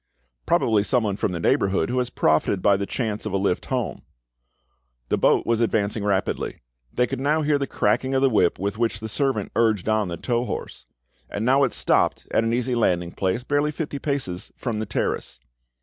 "Probably someone from the neighbourhood, who has profited by the chance of a lift home." The boat was advancing rapidly; they could now hear the cracking of the whip with which the servant urged on the tow horse. And now it stopped, at an easy landing place, barely fifty paces from the terrace.